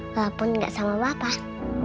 walaupun gak sama bapak